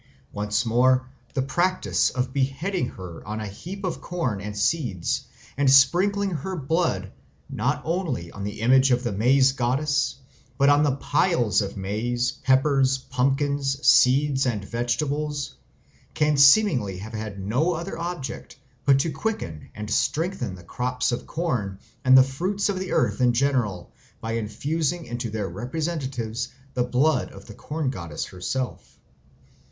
Once more, the practice of beheading her on a heap of corn and seeds and sprinkling her blood, not only on the image of the Maize Goddess, but on the piles of maize, peppers, pumpkins, seeds, and vegetables, can seemingly have had no other object but to quicken and strengthen the crops of corn and the fruits of the earth in general by infusing into their representatives the blood of the Corn Goddess herself.